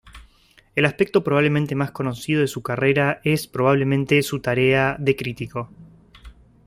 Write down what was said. El aspecto probablemente más conocido de su carrera es probablemente su tarea de crítico.